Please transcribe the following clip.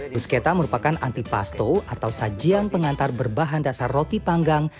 bruschetta merupakan antipasto atau sajian pengantar berbahan dasar roti panggang